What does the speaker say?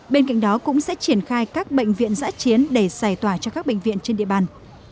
bên cạnh đó cũng sẽ triển khai các bệnh viện giã chiến để giải tỏa cho các bệnh viện trên địa bàn